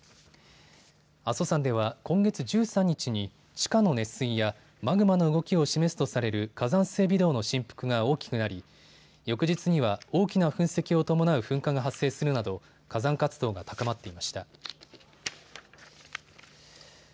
阿蘇山では今月１３日に地下の熱水やマグマの動きを示すとされる火山性微動の振幅が大きくなり翌日には大きな噴石を伴う噴火が発生するなど火山活動が高まっていました。